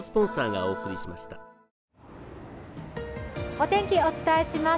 お天気、お伝えします。